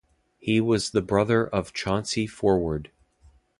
He was the brother of Chauncey Forward.